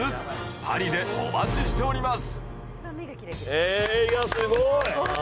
パリでお待ちしております。